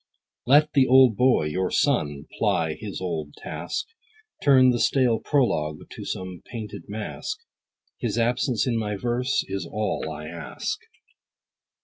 Let the old boy, your son, ply his old task, Turn the stale prologue to some painted mask ; His absence in my verse, is all I ask.